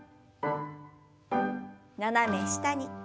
斜め下に。